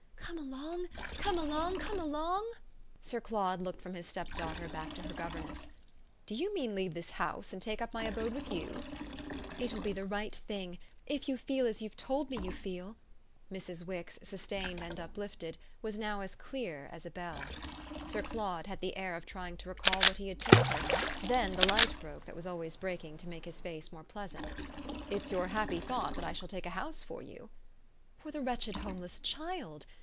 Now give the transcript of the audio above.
"Come along, come along, come along!" Sir Claude looked from his stepdaughter back to her governess. "Do you mean leave this house and take up my abode with you?" "It will be the right thing if you feel as you've told me you feel." Mrs. Wix, sustained and uplifted, was now as clear as a bell. Sir Claude had the air of trying to recall what he had told her; then the light broke that was always breaking to make his face more pleasant. "It's your happy thought that I shall take a house for you?" "For the wretched homeless child.